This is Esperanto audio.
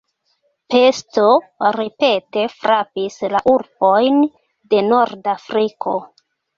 Pesto ripete frapis la urbojn de Nordafriko.